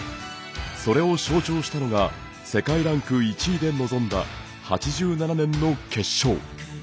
それを象徴したのが世界ランク１位で臨んだ８７年の決勝。